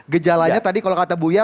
gejalanya tadi kalau kata buya